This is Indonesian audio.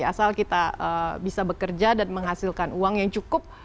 asal kita bisa bekerja dan menghasilkan uang yang cukup